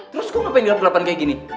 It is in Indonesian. terus kok ngapain lu gelap gelapan kayak gini